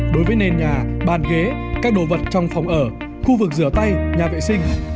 đối với nền nhà bàn ghế các đồ vật trong phòng ở khu vực rửa tay nhà vệ sinh